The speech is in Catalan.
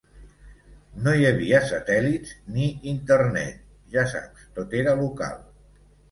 No hi havia satèl·lits, ni internet, ja saps, tot era local.